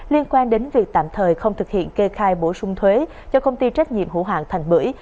liên quan đến việc tạm thời không thực hiện kê khai bổ sung thuế cho công ty trách nhiệm hữu hạng thành bưởi